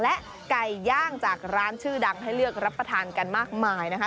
และไก่ย่างจากร้านชื่อดังให้เลือกรับประทานกันมากมายนะคะ